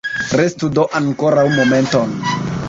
Restu do ankoraŭ momenton!